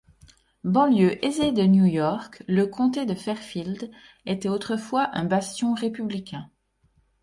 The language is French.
Banlieue aisée de New York, le comté de Fairfield était autrefois un bastion républicain.